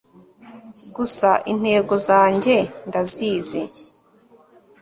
gusa intego zange ndazizi